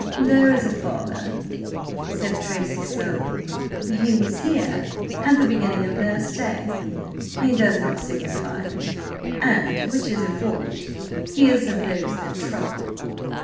"There is a father," said Tracy slowly. "He was here at the beginning of their stay. He does not signify, and, which is important, he is of those that truckle.